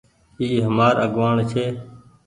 اي همآر آگوآڻ ڇي۔